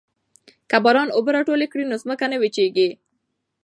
که باران اوبه راټولې کړو نو ځمکه نه وچیږي.